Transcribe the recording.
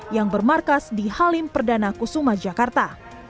yang bermarkas di halim perdana kusuma jakarta